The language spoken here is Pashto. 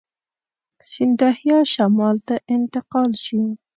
سیندهیا شمال ته انتقال شي.